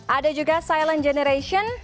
ada juga silent generation